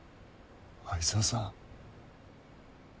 愛沢さん。